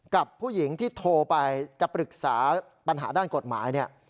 กับผู้หญิงที่โทรไปจะปรึกษาปัญหาด้านกฎหมายเนี่ย